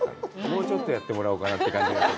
もうちょっとやってもらおうかなという感じ。